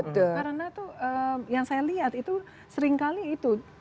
karena tuh yang saya lihat itu seringkali itu